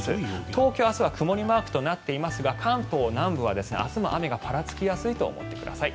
東京、明日は曇りマークとなっていますが関東南部は明日も雨がぱらつきやすいと思ってください。